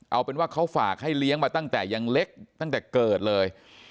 เอาเป็นว่าเขาฝากให้เลี้ยงมาตั้งแต่ยังเล็กตั้งแต่เกิดเลย